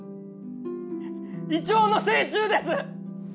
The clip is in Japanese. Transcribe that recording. イチョウの精虫です！